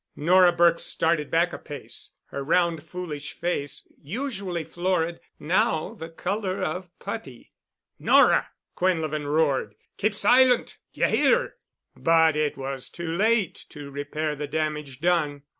Nora Burke started back a pace, her round foolish face, usually florid, now the color of putty. "Nora!" Quinlevin roared. "Keep silent, d'ye hear?" But it was too late to repair the damage done.